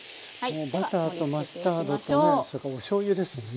バターとマスタードとねそれからおしょうゆですよね。